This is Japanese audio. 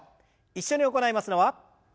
一緒に行いますのは。